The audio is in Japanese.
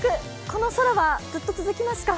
この空はずっと続きますか？